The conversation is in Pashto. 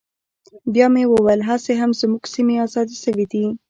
بيا مې وويل هسې هم زموږ سيمې ازادې سوي دي.